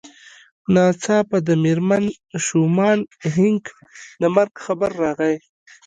ناڅاپه د مېرمن شومان هينک د مرګ خبر راغی.